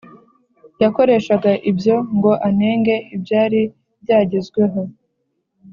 yakoreshaga ibyo ngo anenge ibyari byagezweho